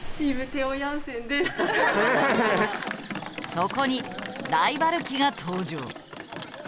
そこにライバル機が登場。